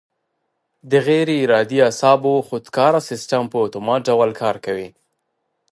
د غیر ارادي اعصابو خودکاره سیستم په اتومات ډول کار کوي.